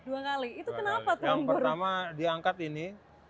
yang pertama diangkat ini